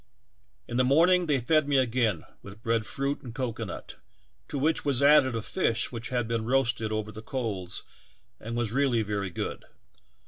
In the morning they fed me again with bread fruit and cocoanut, to which was added a fish which had been roasted over the coals and was really very good.